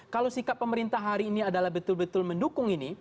kalau sikap pemerintah hari ini adalah betul betul mendukung ini